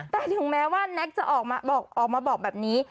แต่ถึงแม้ว่าแน็กจะออกมาบอกแบบนี้